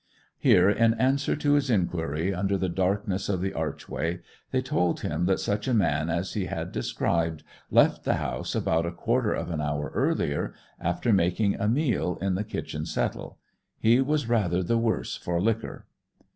Here, in answer to his inquiry under the darkness of the archway, they told him that such a man as he had described left the house about a quarter of an hour earlier, after making a meal in the kitchen settle. He was rather the worse for liquor.